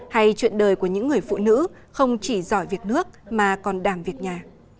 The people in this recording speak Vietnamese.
hay chuyện đời của những người phụ nữ không chỉ giỏi việc nước mà còn đảm việc nhà